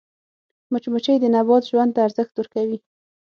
مچمچۍ د نبات ژوند ته ارزښت ورکوي